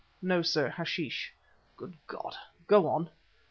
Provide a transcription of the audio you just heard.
"No, sir, hashish." "Good God! Go on."